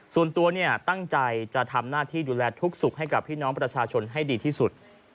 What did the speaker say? ส่วนตัวตั้งใจจะทำหน้าที่ดูแลทุกสุขให้กับพี่น้องประชาชนให้ดีที่สุด